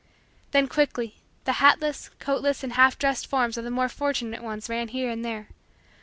Then, quickly, the hatless, coatless, and half dressed forms of the more fortunate ones ran here and there.